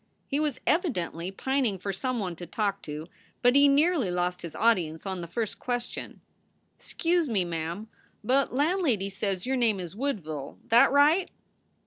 He was evidently pining for some one to talk to, but he nearly lost his audience on the first question :" Scuse me, ma am, but landlady says your name is Woodville. That right